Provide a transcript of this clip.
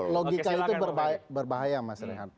logika itu berbahaya mas rehat